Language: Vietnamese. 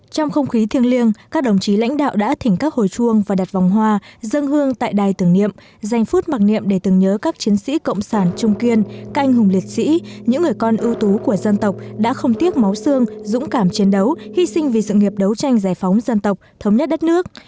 trong không khí thiêng liêng các đồng chí lãnh đạo đã thỉnh các hồi chuông và đặt vòng hoa dân hương tại đài tưởng niệm dành phút mặc niệm để tưởng nhớ các chiến sĩ cộng sản trung kiên canh hùng liệt sĩ những người con ưu tú của dân tộc đã không tiếc máu xương dũng cảm chiến đấu hy sinh vì sự nghiệp đấu tranh giải phóng dân tộc thống nhất đất nước